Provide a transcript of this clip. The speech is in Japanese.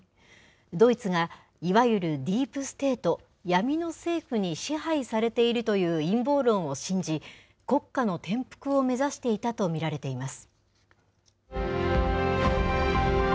ドイツがいわゆるディープ・ステート・闇の政府に支配されているという陰謀論を信じ、国家の転覆を目指していたと見られています。